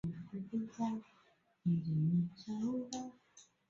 嘉庆元年八月襄阳教军从襄阳地区突围到钟祥。